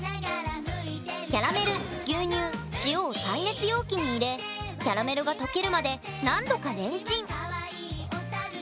キャラメル牛乳塩を耐熱容器に入れキャラメルが溶けるまで何度かレンチン！